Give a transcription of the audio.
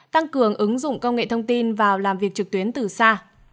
tăng cường ứng dụng công nghệ thông tin vào làm việc trực tuyến từ xa